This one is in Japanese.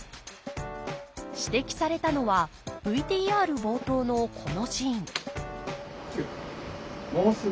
指摘されたのはＶＴＲ冒頭のこのシーン